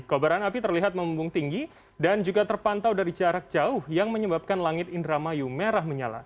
kobaran api terlihat memumbung tinggi dan juga terpantau dari jarak jauh yang menyebabkan langit indramayu merah menyala